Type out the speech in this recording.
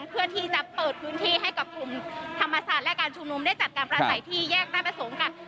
เพื่อที่จะเปิดพื้นที่ให้กับกลุ่มธรรมศาสตร์และการชุมนุมได้จัดการประสัยที่แยกได้ประสงค์ค่ะ